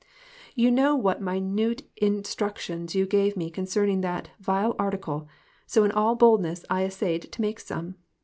You know what minute instructions you gave me concerning that vile article, so in all boldness I essayed to make some.